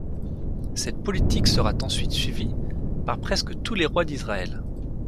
Cette politique sera ensuite suivie par presque tous les rois d’Israël.